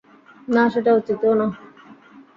না, সেটা উচিতও না!